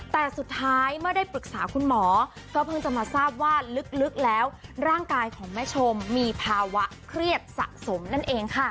แต่สุดท้ายเมื่อได้ปรึกษาคุณหมอก็เพิ่งจะมาทราบว่าลึกแล้วร่างกายของแม่ชมมีภาวะเครียดสะสมนั่นเองค่ะ